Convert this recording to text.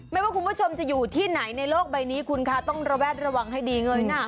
ไม่ว่าคุณผู้ชมจะอยู่ที่ไหนในโลกใบนี้คุณคะต้องระแวดระวังให้ดีเงยหน้า